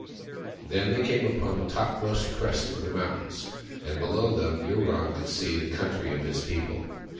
Then they came to the topmost crest of the mountains, and below them Yurong could see the country of his people.